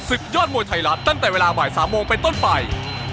ศึกยอดมวยไทยรัฐตั้งแต่เวลาบ่าย๓โมงไปต้นไป